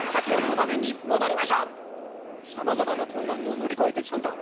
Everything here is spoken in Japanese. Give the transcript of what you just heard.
それではさまざまな困難を乗り越えてきたんだ。